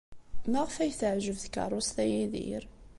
Maɣef ay teɛjeb tkeṛṛust-a Yidir?